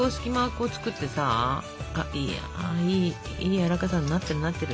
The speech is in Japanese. いやいいやわらかさになってるなってる。